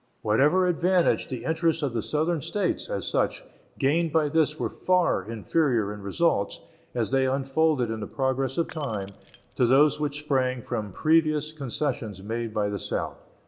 Whatever advantage the interests of the Southern States, as such, gained by this were far inferior in results, as they unfolded in the progress of time, to those which sprang from previous concessions made by the South.